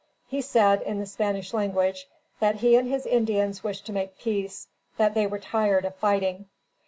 He said, in the Spanish language, that he and his Indians wished to make peace; that they were tired of fighting.